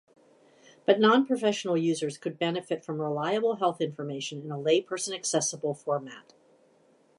But nonprofessional users could benefit from reliable health information in a layperson-accessible format.